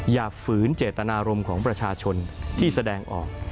ฝืนเจตนารมณ์ของประชาชนที่แสดงออก